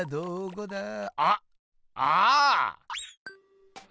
あっああ！